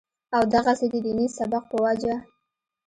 او دغسې د ديني سبق پۀ وجه